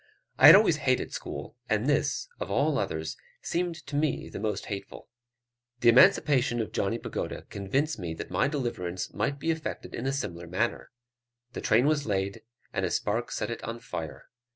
I had always hated school; and this, of all others, seemed to me the most hateful. The emancipation of Johnny Pagoda convinced me that my deliverance might be effected in a similar manner. The train was laid, and a spark set it on fire.